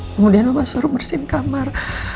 kemudian mama suruh bersihin kamar